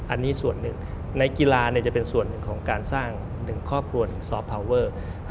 อันนี้ส่วนหนึ่งในกีฬาจะเป็นส่วนหนึ่งของการสร้าง๑ครอบครัว๑ซอฟต์พาวเวอร์